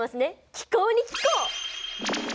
気候に聞こう！